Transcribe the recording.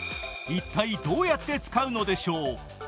一体どうやって使うのでしょう？